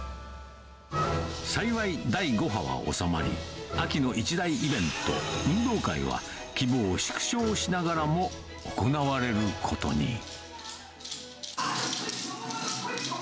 幸い、第５波は収まり、秋の一大イベント、運動会は規模を縮小しながらも行われることに。